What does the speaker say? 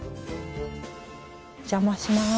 お邪魔します。